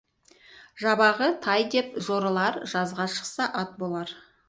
Жабағы, тай деп жорылар, жазға шықса, ат болар.